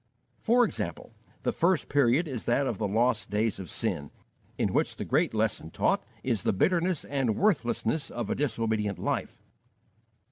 For example, the first period is that of the lost days of sin, in which the great lesson taught is the bitterness and worthlessness of a disobedient life.